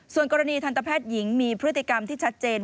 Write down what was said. ส่วนกรณีทันตแพทย์หญิงมีพฤติกรรมที่ชัดเจน